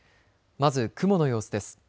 まず雲の様子です。